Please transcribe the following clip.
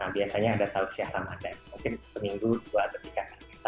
biasanya ada tawusiyah ramadhan mungkin seminggu dua ketika